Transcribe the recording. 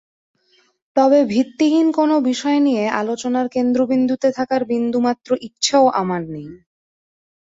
তবে ভিত্তিহীন কোনো বিষয় নিয়ে আলোচনার কেন্দ্রবিন্দুতে থাকার বিন্দুমাত্র ইচ্ছেও আমার নেই।